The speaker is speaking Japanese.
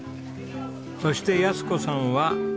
そして安子さんは。